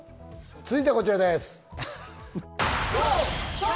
続いてはこちらです。